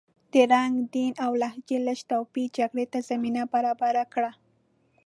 د رنګ، دین او لهجې لږ توپیر جګړې ته زمینه برابره کړه.